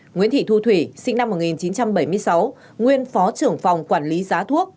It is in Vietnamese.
nguyễn thị thu thủy sinh năm một nghìn chín trăm bảy mươi sáu nguyên phó trưởng phòng quản lý giá thuốc